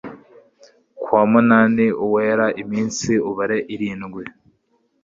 kuwa munani uwera iminsi ubare irindwi